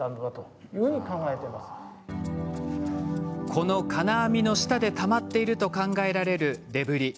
この金網の下でたまっていると考えられるデブリ。